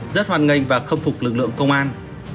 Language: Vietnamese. rất hoan nghênh và khâm phục lực lượng công an